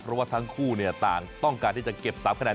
เพราะว่าทั้งคู่ต่างต้องการที่จะเก็บ๓แน